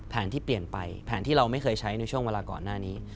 แผนที่เปลี่ยนไปแผนที่เราไม่เคยใช้ในช่วงเวลาก่อนหน้านี้